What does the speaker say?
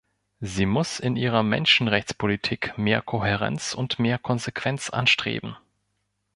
Sie muss in ihrer Menschenrechtspolitik mehr Kohärenz und mehr Konsequenz anstreben.